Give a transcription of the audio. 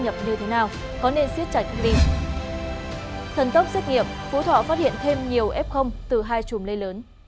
phú thọ phát hiện thêm nhiều f từ hai chùm lây lớn